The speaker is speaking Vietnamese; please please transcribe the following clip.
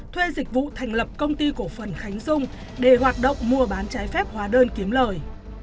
thuê dịch vụ thành lập công ty cổ phần khánh dung để hoạt động mua bán trái phép hóa đơn kiếm lời